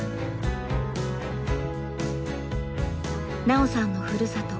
奈緒さんのふるさと